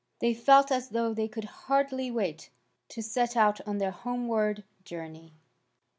They felt as though they could hardly wait to set out on their homeward journey.